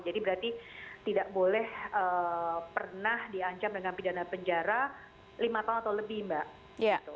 jadi berarti tidak boleh pernah diancam dengan pidana penjara lima tahun atau lebih mbak